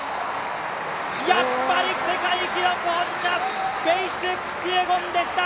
やっぱり世界一のフェイス・キピエゴンでした。